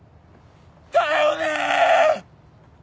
だよねぇ！